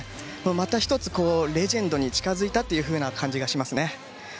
また１つレジェンドに近づいた感じがします。